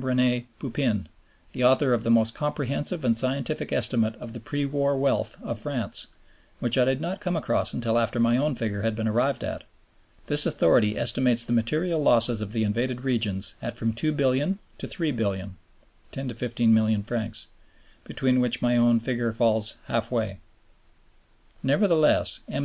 RenÈ Pupin, the author of the most comprehensive and scientific estimate of the pre war wealth of France, which I did not come across until after my own figure had been arrived at. This authority estimates the material losses of the invaded regions at from $2,000,000,000 to $3,000,000,000 (10 to 15 milliards), between which my own figure falls half way. Nevertheless, M.